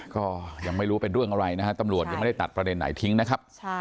ก็ยังไม่รู้เป็นเรื่องอะไรนะฮะตำรวจยังไม่ได้ตัดประเด็นไหนทิ้งนะครับ